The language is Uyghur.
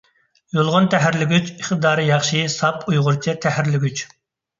يۇلغۇن تەھرىرلىگۈچ — ئىقتىدارى ياخشى، ساپ ئۇيغۇرچە تەھرىرلىگۈچ.